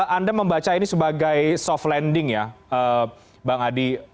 anda membaca ini sebagai soft landing ya bang adi